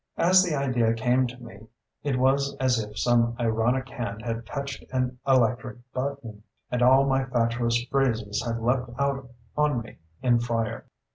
"As the idea came to me it was as if some ironic hand had touched an electric button, and all my fatuous phrases had leapt out on me in fire.